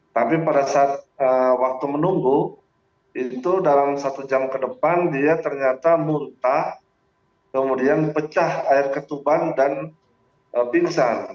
tapi pada saat waktu menunggu itu dalam satu jam ke depan dia ternyata muntah kemudian pecah air ketuban dan pingsan